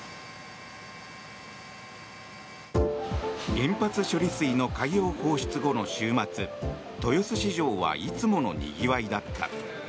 原発処理水の海洋放出後の週末豊洲市場はいつものにぎわいだった。